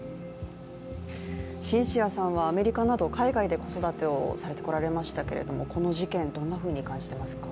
シンシアさんはアメリカなど海外で子育てをしてこられましたけれどもこの事件、どんなふうに感じていますか？